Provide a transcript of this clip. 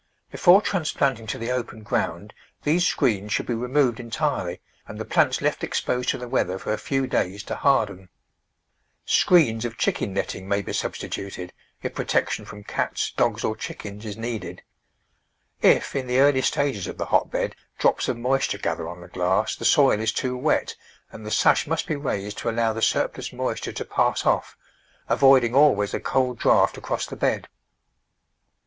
Before transplanting to die open ground these screens should be removed entirely and the plants left exposed to the weather for a few days to harden. Screens of chicken netting may be substituted, if pro tection from cats, dogs or chickens is needed. If, in the early stages of the hotbed, drops of moisture gather on the glass, the soil is too wet and the sash must be raised to allow the surplus moisture to pass off, avoiding always a cold draught across the bed.